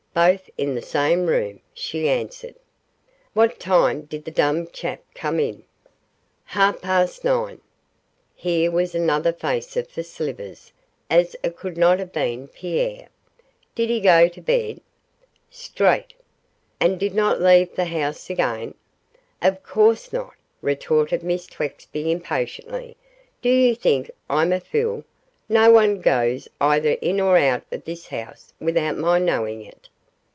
'Both in the same room,' she answered. 'What time did the dumb chap come in?' 'Half past nine.' Here was another facer for Slivers as it could not have been Pierre. 'Did he go to bed?' 'Straight.' 'And did not leave the house again?' 'Of course not,' retorted Miss Twexby, impatiently; 'do you think I'm a fool no one goes either in or out of this house without my knowing it.